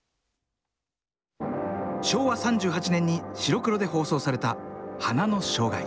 昭和３８年に白黒で放送された「花の生涯」。